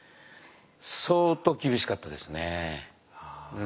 相当厳しかったですね。